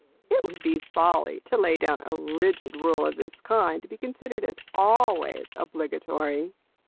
It would be folly to lay down a rigid rule of this kind to be considered as always obligatory.